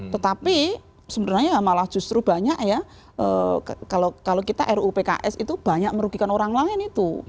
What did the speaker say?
tetapi sebenarnya malah justru banyak ya kalau kita ruu pks itu banyak merugikan orang lain itu